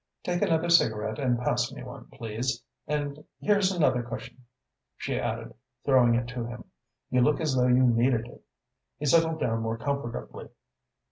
Take another cigarette and pass me one, please. And here's another cushion," she added, throwing it to him. "You look as though you needed it." He settled down more comfortably.